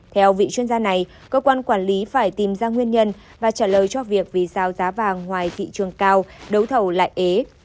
theo vị chuyên gia này cơ quan quản lý phải tìm ra nguyên nhân và trả lời cho việc vì sao giá vàng ngoài thị trường cao đấu thầu lại ế